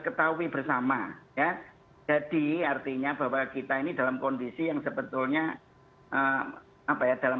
ketahui bersama ya jadi artinya bahwa kita ini dalam kondisi yang sebetulnya apa ya dalam